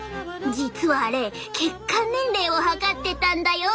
実はあれ血管年齢を測ってたんだよ。